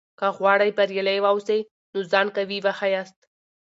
که غواړې بریالی واوسې؛ نو ځان قوي وښیاست.